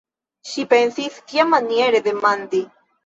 Ŝi pensis: kiamaniere demandi?